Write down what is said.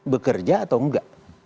bekerja atau enggak